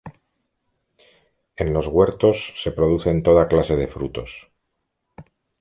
En los huertos se producen toda clase de frutos.